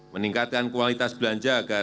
meningkatkan kualitas belanja agar lebih banyak